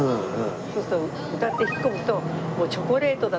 そうすると歌って引っ込むと。